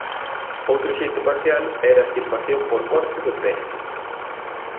Outro xeito parcial era a extirpación por corte do pene.